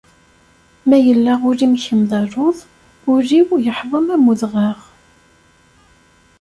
Ma yella ul-im kemm d aluḍ, ul-iw yeḥḍem am udɣaɣ.